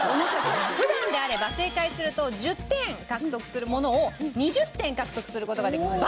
普段であれば正解すると１０点獲得するものを２０点獲得する事ができます。